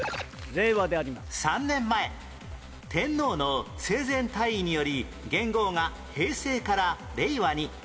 ３年前天皇の生前退位により元号が平成から令和に